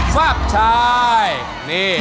ฟลับใช่